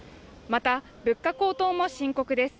また物価高騰も深刻です